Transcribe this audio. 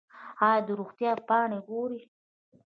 ایا د روغتیا پاڼې ګورئ؟